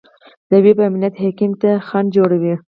د ویب امنیت هیکینګ ته خنډ جوړوي.